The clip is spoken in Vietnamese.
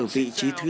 vị trí thứ tám